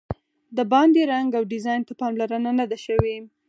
د باندې رنګ او ډیزاین ته پاملرنه نه ده شوې.